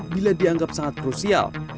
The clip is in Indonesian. bila dianggap sangat krusial